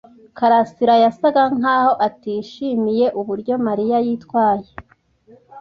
karasira yasaga nkaho atishimiye uburyo Mariya yitwaye.